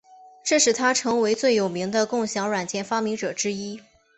这使他成为最有名的共享软件发明者之一。